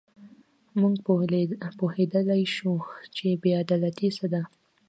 موږ پوهېدلای شو چې بې عدالتي څه ده.